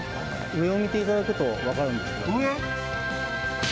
上を見ていただくと分かるんですけど。